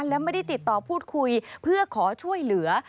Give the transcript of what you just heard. และไม่ได้ติดต่อพูดคุยเพื่อขอช่วยเหลือ